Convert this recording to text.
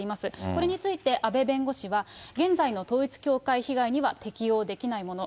これについて、阿部弁護士は、現在の統一教会被害には適応できないもの。